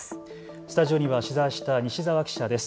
スタジオには取材した西澤記者です。